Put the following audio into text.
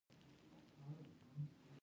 غرغښت د پښتنو یو زوړ نوم دی